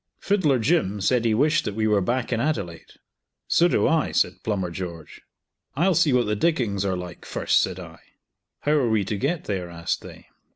Fiddler Jim said he wished that we were back in Adelaide. "So do I," said Plumber George. "I'll see what the diggings are like first," said I. "How are we to get there?" asked they.